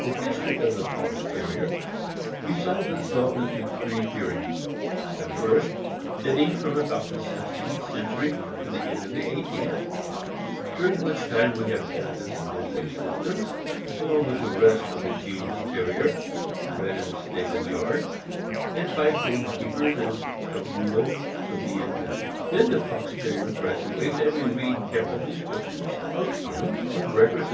The history of the Fox Terrier resolves itself into three periods; the first dating from about the sixteenth century to the end of the eighteenth, during which time we have evidence of his existence, along with the rest of the genus Terrier bred in the stable yard and by gamekeepers, as a rule among plebeian masters. Then the Fox Terrier grad uates, and we read careful descriptions of him and records THE SMOOTH COATED FOX TERRIER.